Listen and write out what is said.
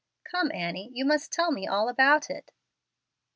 Come, Annie, you must tell me all about it."